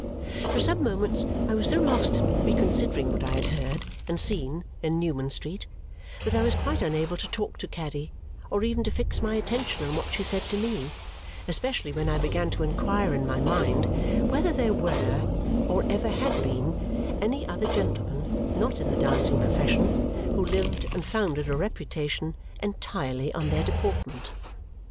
For some moments, I was so lost in reconsidering what I had heard and seen in Newman Street that I was quite unable to talk to Caddy or even to fix my attention on what she said to me, especially when I began to inquire in my mind whether there were, or ever had been, any other gentlemen, not in the dancing profession, who lived and founded a reputation entirely on their deportment.